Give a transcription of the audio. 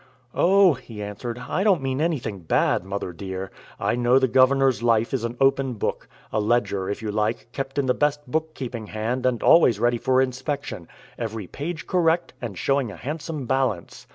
"Oh," he answered, "I don't mean anything bad, mother dear. I know the governor's life is an open book a ledger, if you like, kept in the best bookkeeping hand, and always ready for inspection every page correct, and showing a handsome balance.